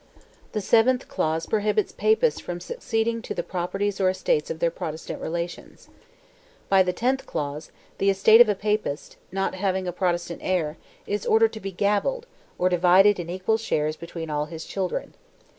The seventh clause prohibits Papists from succeeding to the properties or estates of their Protestant relations. By the tenth clause, the estate of a Papist, not having a Protestant heir, is ordered to be gavelled, or divided in equal shares between all his children.